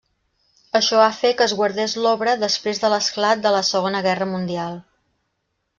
Això va fer que es guardés l'obra després de l'esclat de la Segona Guerra Mundial.